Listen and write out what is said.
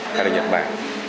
hay là nhật bản